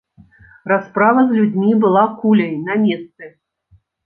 Расправа з людзьмі была куляй, на месцы.